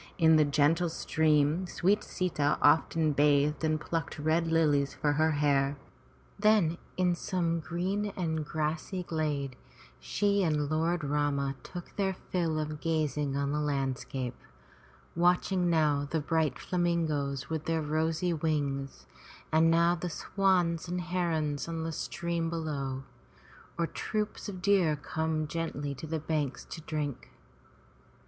In the gentle stream sweet Sita often bathed and plucked red lilies for her hair, then in some green and grassy glade she and Lord Rama took their fill of gazing on the land scape, watching now the bright flamingoes with their rosy wings, and now the swans and herons on the stream below, or troops of deer come gently to the banks to drink.